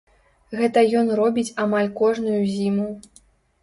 Гэта ён робіць амаль кожную зіму.